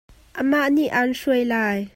Amah nih an hruai lai.